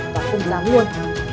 và không dám luôn